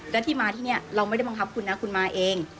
แล้วที่มาที่นี่เราไม่ได้บังคับคุณนะคุณมาเอง